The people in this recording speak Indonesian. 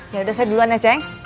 yaudah saya duluan ya ceng